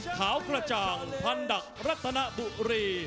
ขาวกระจ่างพันดักรัตนบุรี